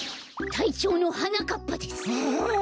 たいちょうのはなかっぱです。